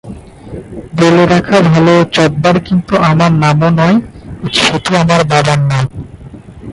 বলে রাখা ভালো, জব্বার কিন্তু আমার নামও নয়, সেটি আমার বাবার নাম।